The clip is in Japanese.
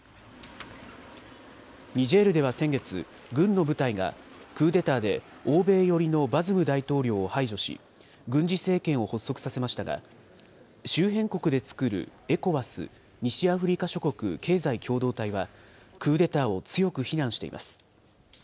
ニジェールでは先月、軍の部隊が、クーデターで欧米寄りのバズム大統領を排除し、軍事政権を発足させましたが、周辺国で作るＥＣＯＷＡＳ・西アフリカ諸国経済共同体は、クーデターを強く非難しています。